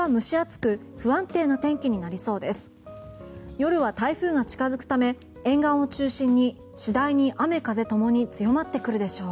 夜は台風が近付くため沿岸を中心に次第に雨、風ともに強まってくるでしょう。